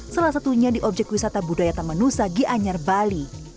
salah satunya di objek wisata budaya taman nusa gianyar bali